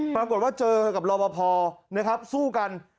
องค์คอลวัดเจอกับระวัปภาวฯนะครับสู้กัน